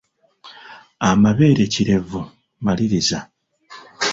Amabeere kirevu, maliriza.